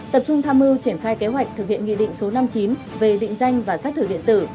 tập trung tham mưu triển khai kế hoạch thực hiện nghị định số năm mươi chín về định danh và xác thử điện tử